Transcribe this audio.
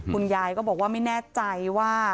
คุณยายก็บอกว่าไม่แน่ใจว่า